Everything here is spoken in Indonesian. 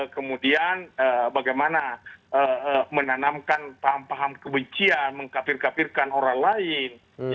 kemudian bagaimana menanamkan paham paham kebencian mengkapir kapirkan orang lain